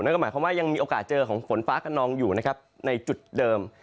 หมายความว่ายังมีโอกาสเจอของฝนฟ้ากระนองอยู่นะครับในจุดเดิม